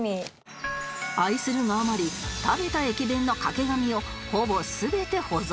愛するがあまり食べた駅弁の掛け紙をほぼ全て保存